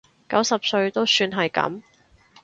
九十歲都算係噉